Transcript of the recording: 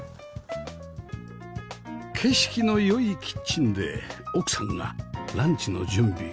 景色の良いキッチンで奥さんがランチの準備